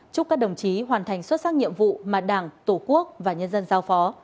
chúc các đồng chí hoàn thành xuất sắc nhiệm vụ mà đảng tổ quốc và nhân dân giao phó